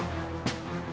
ketua ketua ketua